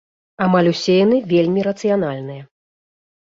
Амаль усе яны вельмі рацыянальныя.